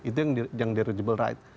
itu yang derogable right